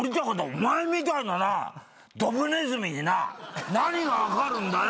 お前みたいななドブネズミにな何が分かるんだよ！